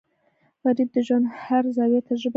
غریب د ژوند هر زاویه تجربه کړې ده